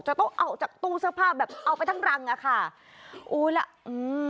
จะต้องเอาจากตู้เสื้อผ้าแบบเอาไปทั้งรังอ่ะค่ะโอ้ยล่ะอืม